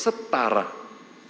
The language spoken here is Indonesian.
sekali lagi setara rakyat